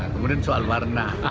kemudian soal warna